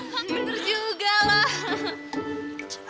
bener juga loh